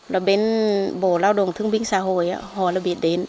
là bên bộ lao động thương minh xã hội họ đã biết đến